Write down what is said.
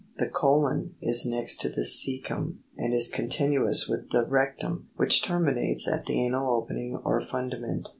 The colon is next to the ccecuw, and is continuous with the ectum, which terminates at the anal opening or fundament.